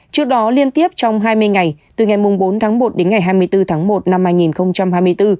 trước đó liên tiếp trong hai mươi ngày từ ngày bốn tháng một đến ngày hai mươi bốn tháng một năm hai nghìn hai mươi bốn